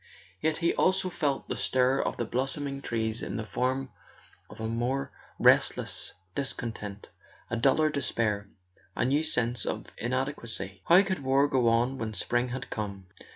Yet he also felt the stir of the blossoming trees in the form of a more restless dis¬ content, a duller despair, a new sense of inadequacy. How could war go on when spring had come?